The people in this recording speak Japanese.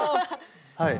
はい。